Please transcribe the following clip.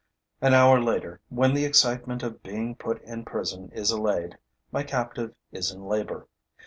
An hour later, when the excitement of being put in prison is allayed, my captive is in labor.